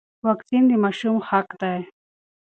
واکسین د ماشوم حق دی.